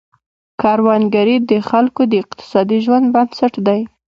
کروندګري د خلکو د اقتصادي ژوند بنسټ دی.